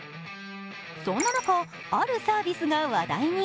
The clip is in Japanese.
そんな中、あるサービスが話題に。